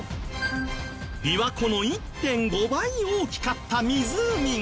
琵琶湖の１．５倍大きかった湖が。